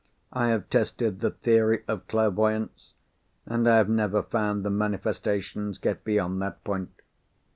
I have tested the theory of clairvoyance—and I have never found the manifestations get beyond that point.